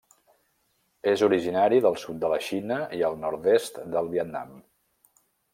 És originari del sud de la Xina i el nord-est del Vietnam.